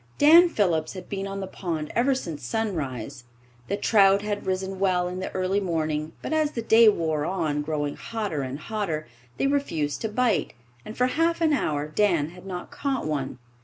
Dan Phillips had been on the pond ever since sunrise. The trout had risen well in the early morning, but as the day wore on, growing hotter and hotter, they refused to bite, and for half an hour Dan had not caught one.